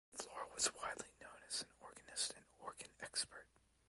Flor was widely known as an organist and organ expert.